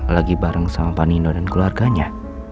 lagi bareng sama panino dan keluarganya